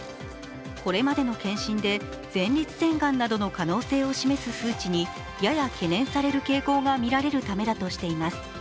これまでの検診で前立腺がんなどの可能性を示す数値にやや懸念される傾向がみられるためだとしています。